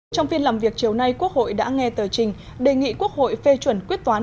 trong phiên làm việc chiều nay quốc hội đã nghe tờ trình đề nghị quốc hội phê chuẩn quyết toán